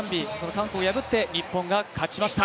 韓国を破って日本が勝ちました。